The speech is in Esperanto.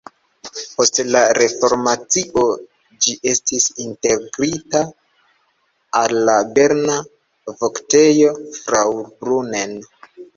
Post la reformacio ĝi estis integrita al la berna Voktejo Fraubrunnen.